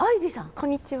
こんにちは。